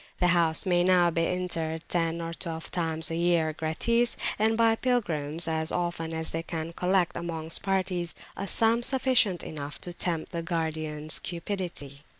The house may now be entered ten or twelve times a year gratis; and by pilgrims as often as they can collect, amongst parties, a sum sufficient to tempt the guardians cupidity.